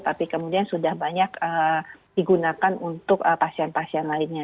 tapi kemudian sudah banyak digunakan untuk pasien pasien lainnya